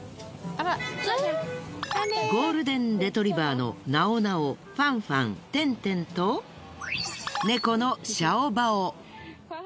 ゴールデンレトリバーのナオナオファンファンテンテンと猫のシャオバオ。